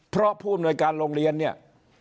เพราะผู้อำนวยการโรงเรียนเนี่ย